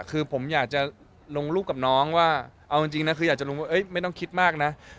คือผมอยากจะลงรูปกับน้องว่าเอาจริงนะคืออยากจะรู้ว่าไม่ต้องคิดมากนะ